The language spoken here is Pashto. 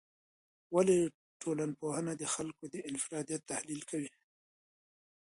ولي ټولنپوهنه د خلګو د انفرادیت تحلیل کوي؟